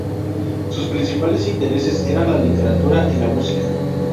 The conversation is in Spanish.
Sus principales intereses eran la literatura y la música.